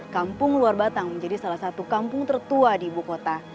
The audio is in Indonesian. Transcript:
kampung luar batang menjadi salah satu kampung tertua di ibu kota